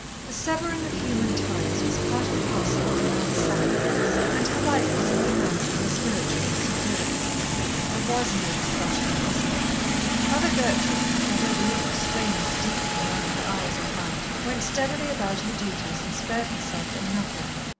The severing of human ties was part and parcel of a nun's sacrifice, and her life was in the hands of her spiritual superiors. There was no discussion possible. Mother Gertrude, although the look of strain was deepening round her eyes and mouth, went steadily about her duties and spared herself in nothing.